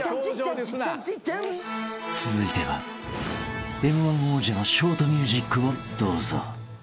［続いてはＭ−１王者のショートミュージックをどうぞ］